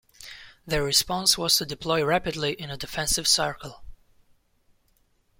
Their response was to deploy rapidly in a defensive circle.